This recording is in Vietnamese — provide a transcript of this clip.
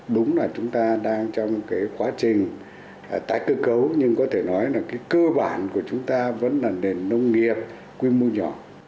đúng là chúng ta đang trong cái quá trình tái cơ cấu nhưng có thể nói là cái cơ bản của chúng ta vẫn là nền nông nghiệp quy mô nhỏ